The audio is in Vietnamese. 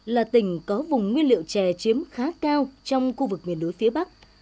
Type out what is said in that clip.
là tỉnh có vùng nguyên liệu chè chiếm khá cao trong khu vực miền núi phía bắc